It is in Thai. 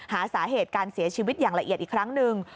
หาสาเหตุการเสียชีวิตอย่างละเอียดอีกครั้งหนึ่ง